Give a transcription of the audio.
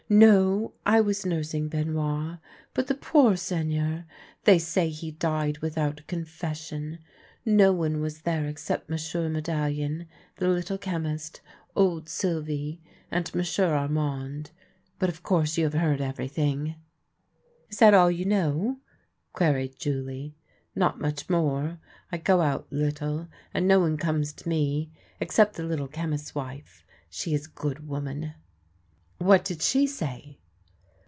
" No; I was nursing Benoit. But the poor Seign eur! They say he died without confession. No one was there except M'sieu' Medallion, the Little Chemist, old Sylvie, and M'sieu' Armand. But, of course, you have heard everything." " Is that all you know? " queried Julie. " Not much more. I go out little, and no one comes to me except the Little Chemist's wife — she is a good woman." "What did she say?"